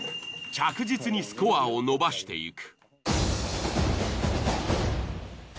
着実にスコアを伸ばしていく。